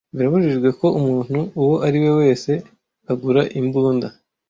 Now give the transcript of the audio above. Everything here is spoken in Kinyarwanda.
birabujijwe ko umuntu uwo ari we wese agura imbunda